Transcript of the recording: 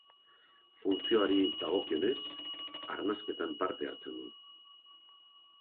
Funtzioari dagokionez, arnasketan parte hartzen du.